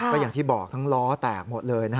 ก็อย่างที่บอกทั้งล้อแตกหมดเลย